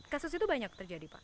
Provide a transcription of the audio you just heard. kasus itu banyak terjadi pak